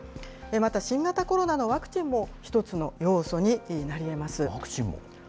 また新型コロナのワクチンも一つの要素になりえます。